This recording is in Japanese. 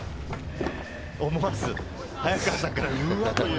思わず、早川さんから「うわっ」という。